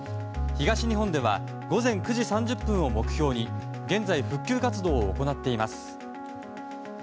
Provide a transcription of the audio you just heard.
東日本では午前９時３０分を目標に現在、復旧活動を行っています。